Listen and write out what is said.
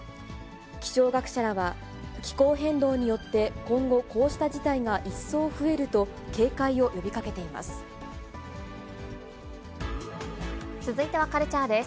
気象学者らは、気候変動によって今後、こうした事態が一層増えると、警戒を呼びかけています。